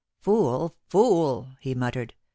"Fool! Fool!" he muttered.